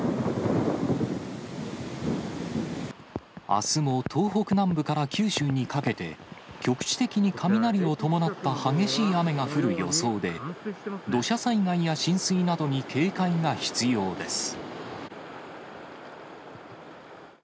あすも東北南部から九州にかけて、局地的に雷を伴った激しい雨が降る予想で、土砂災害や浸水などに警戒が必要です。